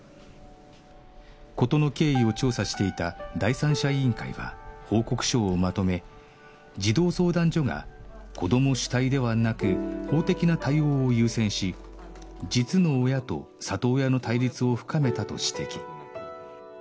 事の経緯を調査していた第三者委員会は報告書をまとめ児童相談所が子ども主体ではなく法的な対応を優先し実の親と里親の対立を深めたと指摘